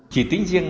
chỉ tính riêng